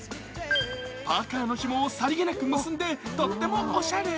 パーカーのひもをさりげなく結んで、とってもおしゃれ。